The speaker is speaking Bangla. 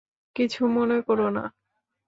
কিছু মনে কোরো না।